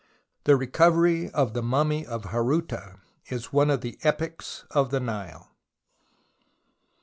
The recovery of the mummy of Horuta is one of the epics of the Nile.